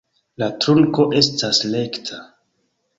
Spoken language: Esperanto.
La trunko estas rekta.